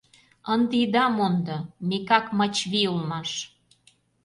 Ынде ида мондо: Микак Мачвий улмаш.